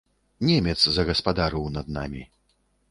Немец загаспадарыў над намі.